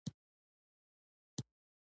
فېسبوک د انجمنونو جوړولو لپاره ښه وسیله ده